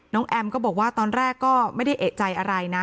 แอมก็บอกว่าตอนแรกก็ไม่ได้เอกใจอะไรนะ